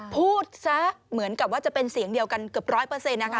พูดซะเหมือนกับว่าจะเป็นเสียงเดียวกันเกือบร้อยเปอร์เซ็นต์นะคะ